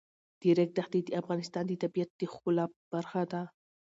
د ریګ دښتې د افغانستان د طبیعت د ښکلا برخه ده.